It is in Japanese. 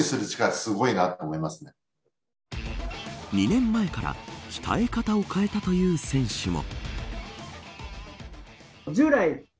２年前から鍛え方を変えたという選手も。